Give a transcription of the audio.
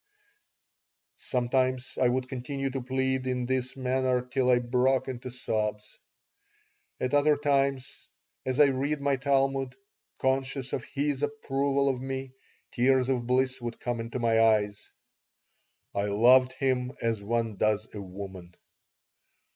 Sometimes I would continue to plead in this manner till I broke into sobs. At other times, as I read my Talmud, conscious of His approval of me, tears of bliss would come into my eyes I loved Him as one does a woman.